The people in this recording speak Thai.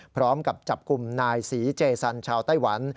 พร้อมกับจับกลุ่มนายศรีเจสันชาวไต้หวัน